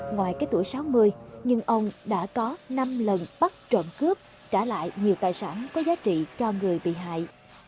ngoài cái tuổi sáu mươi nhưng ông đã có năm lần bắt trộm cướp trả lại nhiều tài sản có giá trị cho người bị hại